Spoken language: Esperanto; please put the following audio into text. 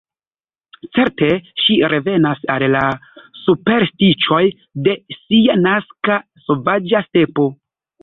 Certe, ŝi revenas al la superstiĉoj de sia naska sovaĝa stepo.